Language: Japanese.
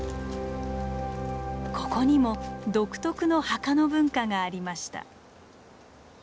ここにも独特の墓の文化がありました。